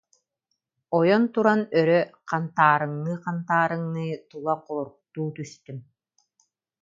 Ойон туран өрө хантаа- рыҥныы-хантаарыҥныы, тула холоруктуу түстүм